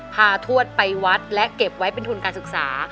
ทวดไปวัดและเก็บไว้เป็นทุนการศึกษา